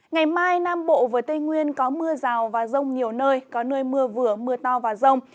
ngày mai nam bộ với tây nguyên có mưa rào và rông nhiều nơi có nơi mưa vừa mưa to và rông